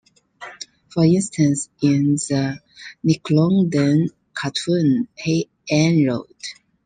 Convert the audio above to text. For instance, in the "Nickelodeon" cartoon "Hey Arnold!